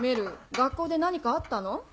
学校で何かあったの？